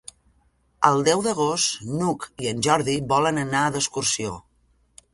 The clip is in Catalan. El deu d'agost n'Hug i en Jordi volen anar d'excursió.